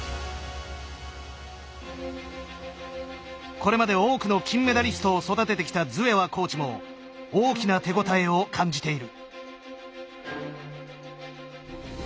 これまで多くの金メダリストを育ててきたズエワコーチも大きな手応えを感じている。